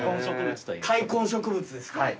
塊根植物ですか。